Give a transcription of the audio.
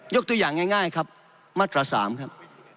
ตัวอย่างง่ายครับมาตรา๓ครับ